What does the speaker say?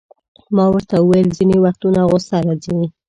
ما ورته وویل: ځیني وختونه غصه راځي.